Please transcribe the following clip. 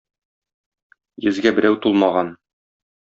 Йөзгә берәү тулмаган.